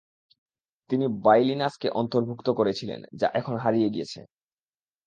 তিনি বাইলিনাসকে অন্তর্ভুক্ত করেছিলেন যা এখন হারিয়ে গেছে।